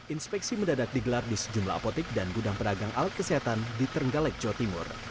inspeksi mendadak digelar di sejumlah apotek dan gudang pedagang alat kesehatan di terenggalek jawa timur